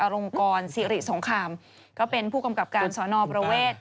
ลงกรสิริสงครามก็เป็นผู้กำกับการสอนอประเวท